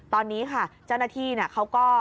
ตอนนี้ค่ะเจ้าหน้าที่เขาก็